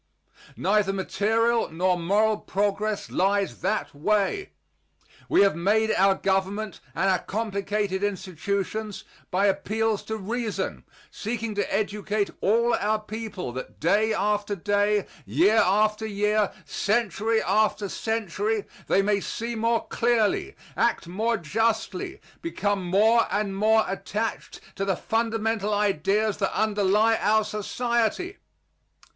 Neither material nor moral progress lies that way. We have made our Government and our complicated institutions by appeals to reason, seeking to educate all our people that, day after day, year after year, century after century, they may see more clearly, act more justly, become more and more attached to the fundamental ideas that underlie our society.